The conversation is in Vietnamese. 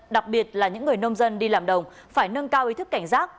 đặc biệt là những người nông dân đi làm đồng phải nâng cao ý thức cảnh giác